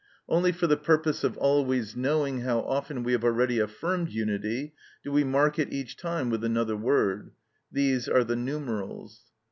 Only for the purpose of always knowing how often we have already affirmed unity do we mark it each time with another word: these are the numerals.